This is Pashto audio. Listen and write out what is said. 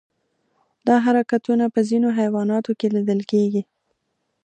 دا حرکتونه په ځینو حیواناتو کې لیدل کېږي.